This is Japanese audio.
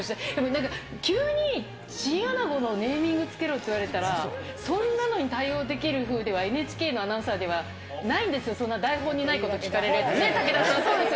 なんか、急にチンアナゴのネーミング付けろって言われたら、そんなのに対応できるふうでは、ＮＨＫのアナウンサーではないんですよ、そんな台本にないこと聞かれて。ね？